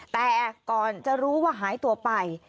แต่ก่อนจะรู้ว่าหายตัวไป